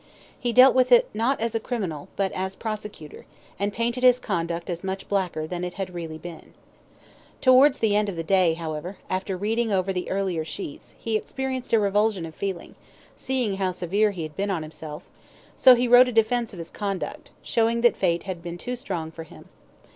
He dealt with it, not as a criminal, but as a prosecutor, and painted his conduct as much blacker than it really had been. Towards the end of the day, however, after reading over the earlier sheets, he experienced a revulsion of feeling, seeing how severe he had been on himself, so he wrote a defence of his conduct, showing that fate had been too strong for him.